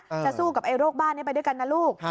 จะสู้กับไอ้โรคบ้านนี้ไปด้วยกันนะลูก